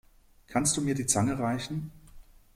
Kannst du mir die Zange reichen?